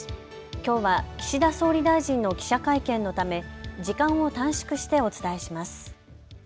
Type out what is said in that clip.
きょうは岸田総理大臣の記者会見のため時間を短縮してお伝えします。